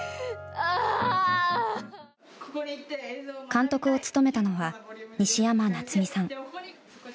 監督を務めたのは西山夏実さん。